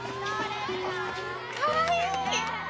かわいい！